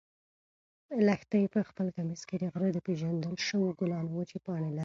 لښتې په خپل کمیس کې د غره د پېژندل شوو ګلانو وچې پاڼې لرلې.